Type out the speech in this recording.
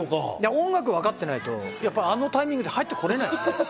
音楽をわかってないと、あのタイミングで入ってこれない。